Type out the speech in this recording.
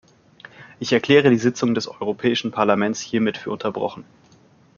Ich erkläre die Sitzung des Europäischen Parlaments hiermit für unterbrochen.